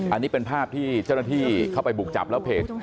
อันนี้เป็นภาพที่เจ้าหน้าที่เข้าไปบุกจับแล้วเพจ